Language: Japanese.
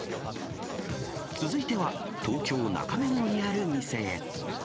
続いては、東京・中目黒にある店へ。